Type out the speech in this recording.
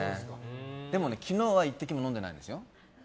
でもね、昨日は一滴も飲んでないですよ。